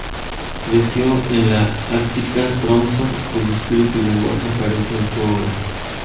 Creció en la ártica Tromsø, cuyo espíritu y lengua aparece en su obra.